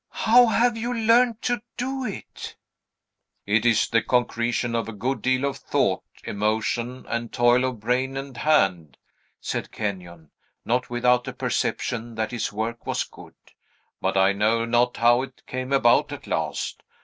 How have you learned to do it?" "It is the concretion of a good deal of thought, emotion, and toil of brain and hand," said Kenyon, not without a perception that his work was good; "but I know not how it came about at last.